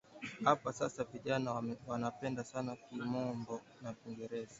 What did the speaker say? Apa sasa vijana wanapenda sana kimombo na kingereza